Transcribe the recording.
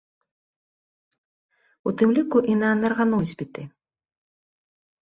У тым ліку і на энерганосьбіты.